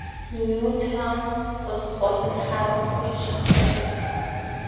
Newton was born in Harwich, Essex.